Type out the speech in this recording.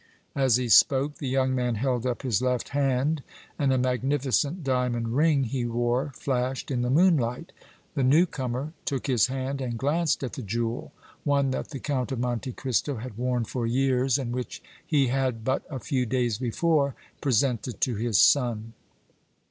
As he spoke the young man held up his left hand, and a magnificent diamond ring he wore flashed in the moonlight. The new comer took his hand and glanced at the jewel, one that the Count of Monte Cristo had worn for years and which he had but a few days before presented to his son.